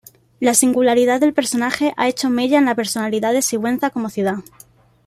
La singularidad del personaje ha hecho mella en la personalidad de Sigüenza como ciudad.